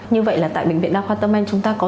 như vậy là tại bệnh viện đa khoa tâm anh chúng ta có